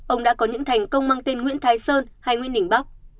ông đã có những thành công mang tên nguyễn thái sơn hay nguyễn đình bắc